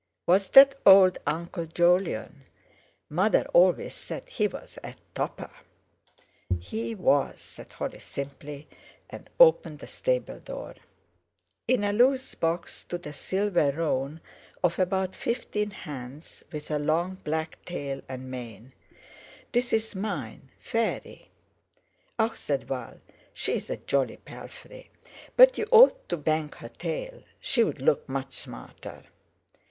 "Was that old Uncle Jolyon? Mother always says he was a topper." "He was," said Holly simply, and opened the stable door. In a loose box stood a silver roan of about fifteen hands, with a long black tail and mane. "This is mine—Fairy." "Ah!" said Val, "she's a jolly palfrey. But you ought to bang her tail. She'd look much smarter."